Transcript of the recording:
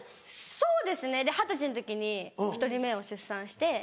そうですねで二十歳の時に１人目を出産して。